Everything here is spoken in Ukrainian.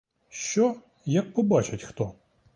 Що, як побачить хто?